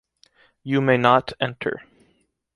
You may not enter.